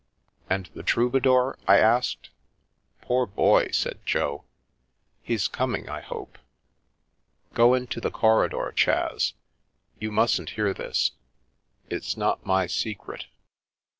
" And the Troubadour? " I asked. " Poor boy !" said Jo, " he's coming, I hope. Go into the corridor, Chas; you mustn't hear this, it's not my secret.